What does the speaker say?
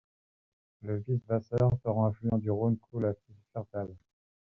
Le Wysswasser, torrent affluent du Rhône, coule à Fieschertal.